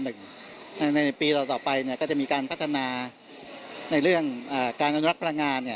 ในปีต่อไปก็จะมีการพัฒนาในเรื่องการอนุรักษ์พลังงาน